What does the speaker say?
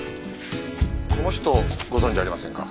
この人をご存じありませんか？